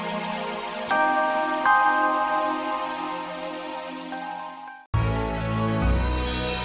tahan itu tidak penting kak